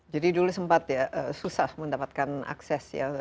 jadi dulu sempat ya susah mendapatkan akses ya